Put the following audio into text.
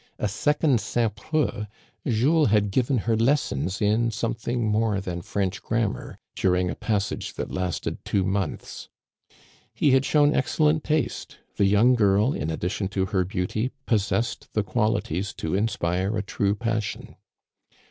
A second Saint Preux, Jules had given her lessons in something more than French grammar during a passage that lasted two months. He had shown excellent taste. The young girl, in addi tion to her beauty, possessed the qualities to inspire a true passion.